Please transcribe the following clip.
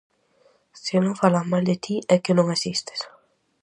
Se non falan mal de ti é que non existes.